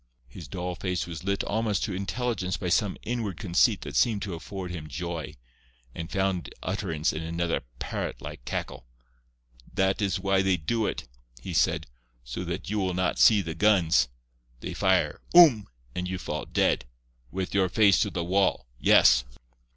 His dull face was lit almost to intelligence by some inward conceit that seemed to afford him joy, and found utterance in another parrot like cackle. "That is why they do it," he said—"so that you will not see the guns. They fire—oom!—and you fall dead. With your face to the wall. Yes."